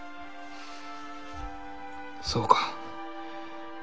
そうか。